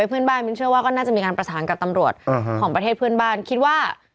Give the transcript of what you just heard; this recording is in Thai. เขาบอกน่าสงสัยว่า